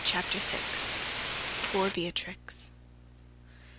CHAPTER VI. POOR BEATRIX.